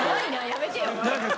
やめてよ。